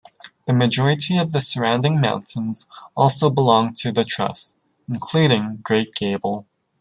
The majority of the surrounding mountains also belong to the Trust, including Great Gable.